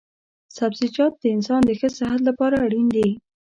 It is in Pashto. سبزيجات د انسان د ښه صحت لپاره اړين دي